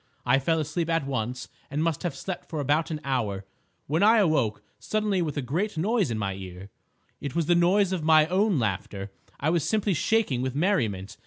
I fell asleep at once and must have slept for about an hour, when I awoke suddenly with a great noise in my ears. It was the noise of my own laughter! I was simply shaking with merriment.